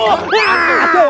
aduh aduh aduh